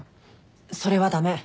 それは駄目。